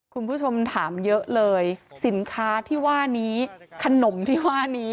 คุณผู้ชมถามเยอะเลยสินค้าที่ว่านี้ขนมที่ว่านี้